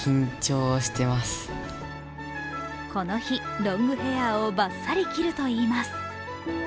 この日、ロングヘアーをばっさり切るといいます。